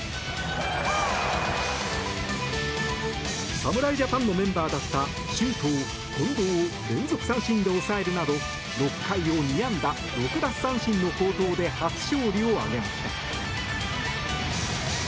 侍ジャパンのメンバーだった周東、近藤を連続三振で抑えるなど６回を２安打６奪三振の好投で初勝利を挙げました。